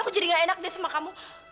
aku jadi gak enak deh sama kamu